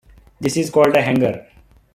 This is called a hanger.